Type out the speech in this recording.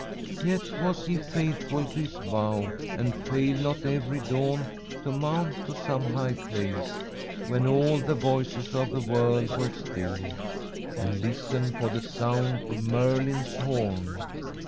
"Yet was he faithful to his vow, and failed not every dawn to mount to some high place, when all the voices of the world were still, and listen for the sound of Merlin's horn.